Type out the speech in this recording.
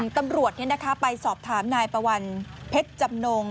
ตำรวจไปสอบถามนายปะวันเพชรจำนง